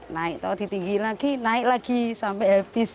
naik tau ditinggiin lagi naik lagi sampai habis